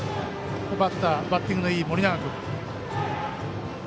バッターはバッティングのいい盛永君。